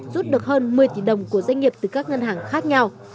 rút được hơn một mươi tỷ đồng của doanh nghiệp từ các ngân hàng khác nhau